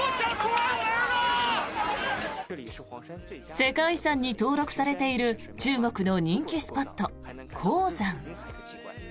世界遺産に登録されている中国の人気スポット、黄山。